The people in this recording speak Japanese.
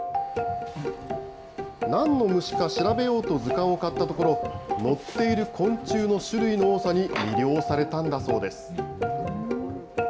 なんの虫か調べようと図鑑を買ったところ、載っている昆虫の種類の多さに魅了されたんだそうです。